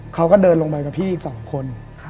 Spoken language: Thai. เขาก็เดินลงไปกับพี่อีก๒คน